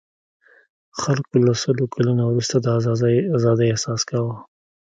خلکو له سلو کلنو وروسته د آزادۍاحساس کاوه.